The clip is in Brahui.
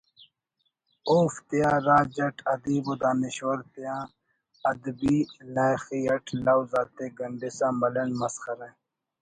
اوفتیا راج اٹ ادیب و دانشور تینا ادبی لائخی اٹ لوز آتے گنڈسا ملنڈ مسخرہ